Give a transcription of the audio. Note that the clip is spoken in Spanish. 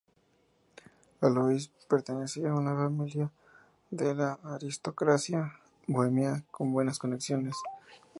Alois pertenecía a una familia de la aristocracia bohemia con buenas conexiones.